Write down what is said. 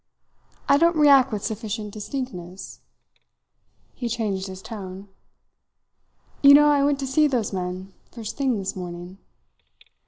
I don't react with sufficient distinctness." He changed his tone. "You know I went to see those men first thing this morning."